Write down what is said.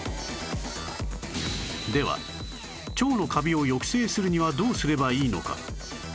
では腸のカビを抑制するにはどうすればいいのか？